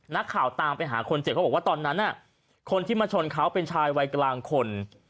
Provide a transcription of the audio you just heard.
นักข่าวตามไปหาคนเจ็บเขาบอกว่าตอนนั้นคนที่มาชนเขาเป็นชายวัยกลางคน